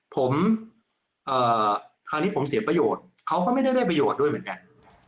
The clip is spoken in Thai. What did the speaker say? ผมคราวนี้ผมเสียประโยชน์เขาก็ไม่ได้ได้ประโยชน์ด้วยเหมือนกัน